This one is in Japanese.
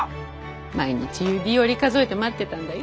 毎日指折り数えて待ってたんだよ。